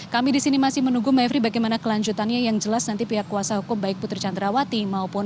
kami di sini masih menunggu maifri bagaimana kelanjutannya yang jelas nanti pihak kuasa hukum baik putri candrawati